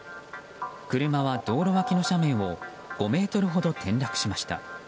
車は道路脇の斜面を５ｍほど転落しました。